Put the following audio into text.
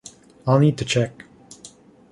I'll need to check.